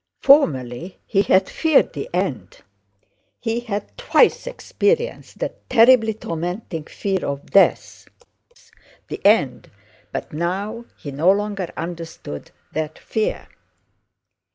Formerly he had feared the end. He had twice experienced that terribly tormenting fear of death—the end—but now he no longer understood that fear.